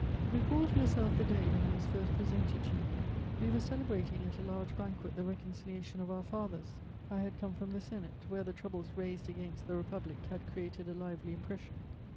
"Recall to yourself the day when I was first presented to you. We were celebrating at a large banquet the reconciliation of our fathers. I had come from the Senate, where the troubles raised against the Republic had created a lively impression....